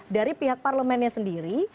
dari pihak parlemennya sendiri